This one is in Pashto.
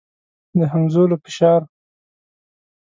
د همځولو فشار.